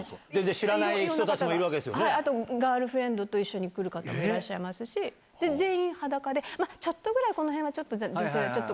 知らない人たちもいるわけであと、ガールフレンドと一緒に来る方もいらっしゃいますし、全員裸で、ちょっとぐらい、このへんは女性はちょっと。